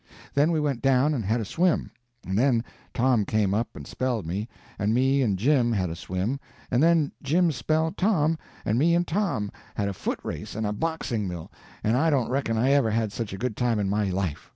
Then we went down and had a swim, and then Tom came up and spelled me, and me and Jim had a swim, and then Jim spelled Tom, and me and Tom had a foot race and a boxing mill, and I don't reckon I ever had such a good time in my life.